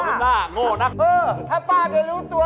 จนกรุ่นน่าโง่น้ำนั่มเฮอถ้าป้าแกรู้ตัว